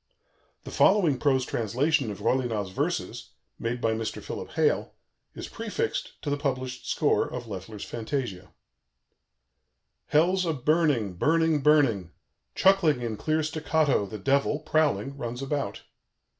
The following prose translation of Rollinat's verses, made by Mr. Philip Hale, is prefixed to the published score of Loeffler's fantasia: "Hell's a burning, burning, burning. Chuckling in clear staccato, the Devil, prowling, runs about.